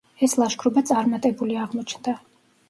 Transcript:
ეს ლაშქრობა წარმატებული აღმოჩნდა.